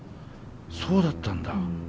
そうだったんだ。